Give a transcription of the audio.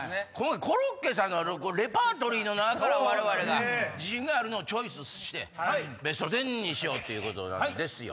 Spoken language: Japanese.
コロッケさんのはレパートリーの中からわれわれが自信があるのをチョイスしてベストテンにしようっていうことなんですよ。